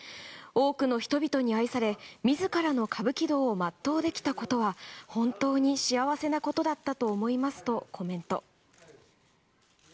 多くの人々に愛され、自らの歌舞伎道を全うできたことは本当に幸せなことだったと思いますとコメント。